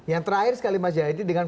yang terakhir sekali mas jaya itu dengan